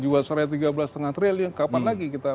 jawa serai tiga belas lima triliun kapan lagi kita